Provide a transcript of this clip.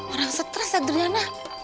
orang stress ya duriana